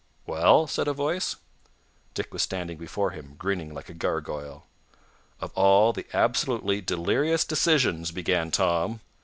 "Well?" said a voice. Dick was standing before him, grinning like a gargoyle. "Of all the absolutely delirious decisions " began Tom.